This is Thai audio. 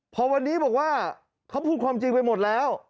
พอวันนี้บอกว่าเขาพูดความจริงไปหมดแล้ว